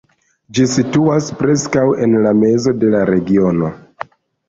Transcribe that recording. Ĝi situas preskaŭ en la mezo de la regiono.